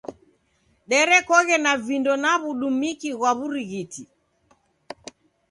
Derekoghe na vindo na w'udumiki ghwa w'urighiti.